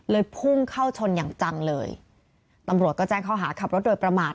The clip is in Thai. พุ่งเข้าชนอย่างจังเลยตำรวจก็แจ้งข้อหาขับรถโดยประมาท